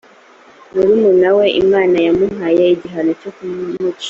murumuna we imana yamuhaye igihano cyo kumuca